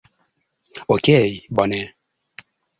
Okej bone...